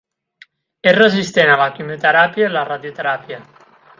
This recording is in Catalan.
És resistent a la quimioteràpia i la radioteràpia.